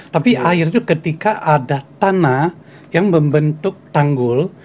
tapi air itu ketika ada tanah yang membentuk tanggul